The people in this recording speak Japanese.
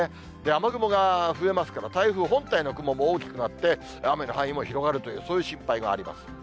雨雲が増えますから、台風本体の雲も大きくなって、雨の範囲も広がるという、そういう心配があります。